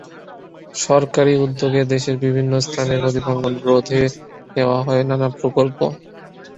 সরকারি উদ্যোগে দেশের বিভিন্ন স্থানে নদীভাঙন রোধে নেওয়া হয় নানা প্রকল্প।